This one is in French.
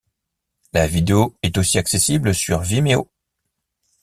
La vidéo est aussi accessible sur Vimeo.